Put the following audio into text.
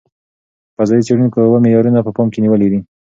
فضايي څېړونکو اوه معیارونه په پام کې نیولي.